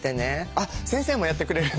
あっ先生もやってくれるんですね。